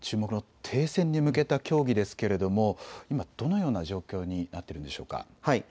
停戦に向けた協議ですが今、どのような状況になっているんでしょうか。